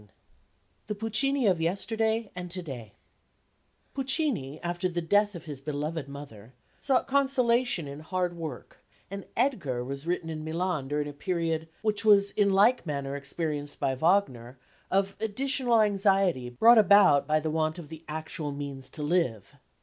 III THE PUCCINI OF YESTERDAY AND TO DAY Puccini, after the death of his beloved mother, sought consolation in hard work, and Edgar was written in Milan during a period, which was in like manner experienced by Wagner, of additional anxiety, brought about by the want of the actual means to live.